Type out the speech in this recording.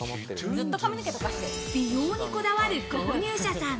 美容にこだわる購入者さん。